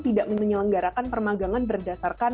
tidak menyelenggarakan permagangan berdasarkan